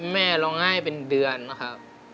แม่ร้องไห้เป็นเดือนนะครับ